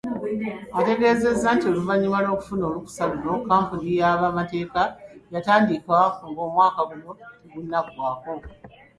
Ategeezezza nti oluvanyuma lw'okufuna olukusa luno, kampuni ya bannamateeka ya kutandika ng'omwaka guno tegunnaggwako.